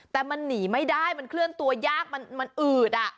แต่มันหนีไม่ได้มันเคลื่อนตัวยากมันอืด